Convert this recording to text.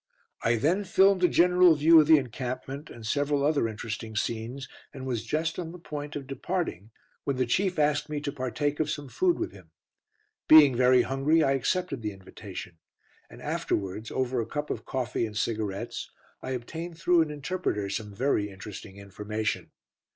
I then filmed a general view of the encampment, and several other interesting scenes, and was just on the point of departing when the Chief asked me to partake of some food with him. Being very hungry, I accepted the invitation, and afterwards, over a cup of coffee and cigarettes, I obtained through an interpreter some very interesting information.